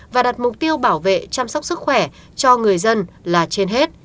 và đặt mục tiêu bảo vệ chăm sóc sức khỏe cho người dân là trên hết